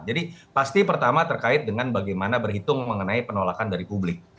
jadi pasti pertama terkait dengan bagaimana berhitung mengenai penolakan dari publik